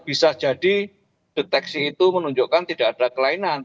bisa jadi deteksi itu menunjukkan tidak ada kelainan